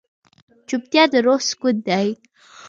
چوپتیا، د روح سکون دی.